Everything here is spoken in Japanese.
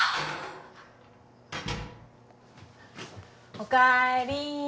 ・おかえり。